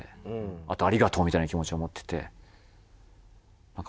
あとありがとうみたいな気持ちを持ってて。